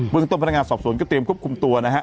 บริษัทธรรมพนักงานสอบสวนก็เตรียมควบคุมตัวนะฮะ